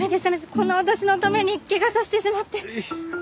こんな私のために怪我させてしまって。